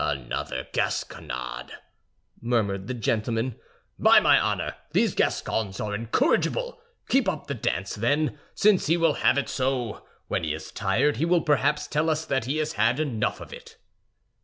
"Another gasconade!" murmured the gentleman. "By my honor, these Gascons are incorrigible! Keep up the dance, then, since he will have it so. When he is tired, he will perhaps tell us that he has had enough of it."